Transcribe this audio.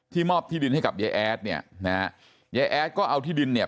มอบที่ดินให้กับยายแอดเนี่ยนะฮะยายแอดก็เอาที่ดินเนี่ย